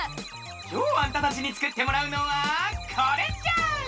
きょうあんたたちにつくってもらうのはこれじゃ！